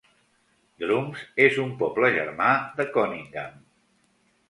Drums és un poble germà de Conyngham.